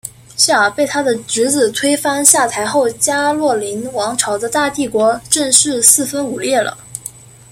夏尔被他的侄子推翻下台后加洛林王朝的大帝国正式四分五裂了。